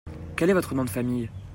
Quel est votre nom de famille ?